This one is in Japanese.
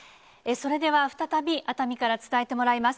それでは再び、熱海から伝えてもらいます。